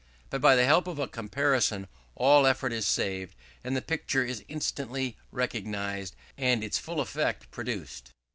But by the help of a comparison all effort is saved; the picture is instantly realized, and its full effect produced.